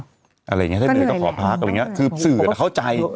อะไรอย่างเงี้ถ้าเหนื่อยก็ขอพักอะไรอย่างเงี้ยคือสื่อเข้าใจ